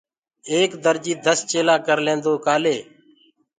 ايڪ درجي دس چيلآ ڪرليندوئي ڪآلي